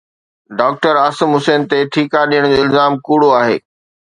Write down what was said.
doctor Asim Hussain تي ٺيڪا ڏيڻ جو الزام ڪوڙو آهي